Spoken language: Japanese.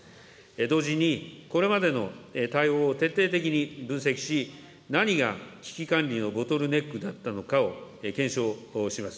同時に、これまでの対応を徹底的に分析し、何が危機管理のボトルネックだったのかを検証します。